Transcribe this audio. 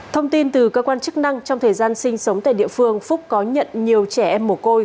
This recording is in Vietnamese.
thông tin từ cơ quan chức năng trong thời gian sinh sống tại địa phương phúc có nhận nhiều trẻ em mồ côi